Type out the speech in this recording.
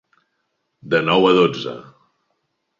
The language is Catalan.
De nou a dotze.